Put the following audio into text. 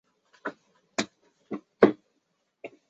发展部主要使用了第一主题的素材。